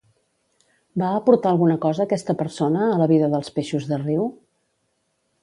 Va aportar alguna cosa aquesta persona a la vida dels peixos de riu?